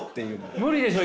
無理でしょ？